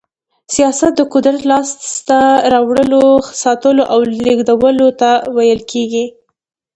سياست د قدرت لاسته راوړلو، ساتلو او لېږدولو ته ويل کېږي.